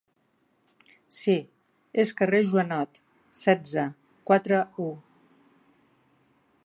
Sí, es carrer Joanot, setze, quatre-u.